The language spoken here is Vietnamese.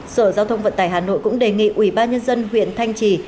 sở giao thông vận tải hà nội cũng đề nghị ubnd huyện thanh trì